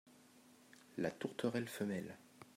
La tourterelle femelle.